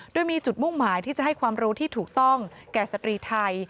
โดยมีจุดมุ่งหมายที่จะให้ความรู้ที่ถูกต้องแก่สตรีไทย